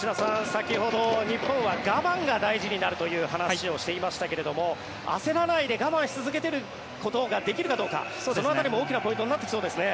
先ほど日本は我慢が大事になるという話をしていましたが焦らないで我慢し続けることができるかどうかその辺りも大きなポイントになってきますね。